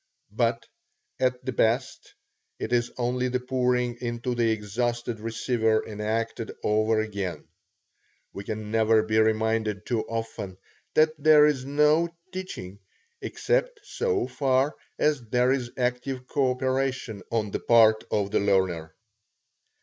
But at the best, it is only the pouring into the exhausted receiver enacted over again. We can never be reminded too often, that there is no teaching except so far as there is active coöperation on the part of the learner.